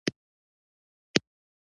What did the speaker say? ځوانان په کوڅو کې کرکټ کوي.